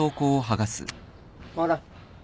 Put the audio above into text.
ほら。